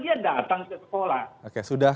dia datang ke sekolah oke sudah